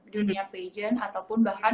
dunia pejan ataupun bahkan